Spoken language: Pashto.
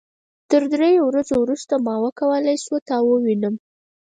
تر دریو ورځو وروسته ما وکولای شو تا ووينم.